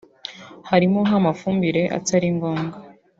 harimo nk’amafumbire atari ngombwa